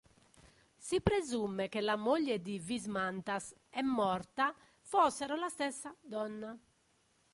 Si presume che la moglie di Vismantas e Morta fossero la stessa donna.